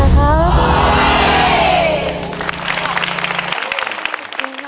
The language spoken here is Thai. ครับ